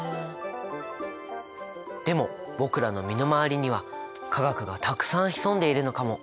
でも僕らの身の回りには化学がたくさん潜んでいるのかも。